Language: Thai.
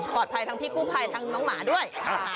ทั้งพี่กู้ภัยทั้งน้องหมาด้วย